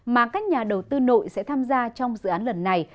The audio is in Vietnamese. mà các nhà đầu tư nội sẽ tham gia trong dự án lần này